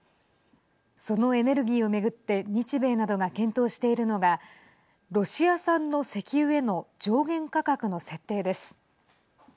そのエネルギーを巡って日米などが検討しているのがロシア産の石油への上限価格の設定です。